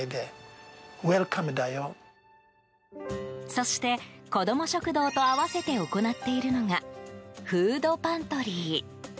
そして、こども食堂と併せて行っているのがフードパントリー。